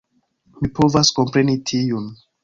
Mi povas kompreni tiun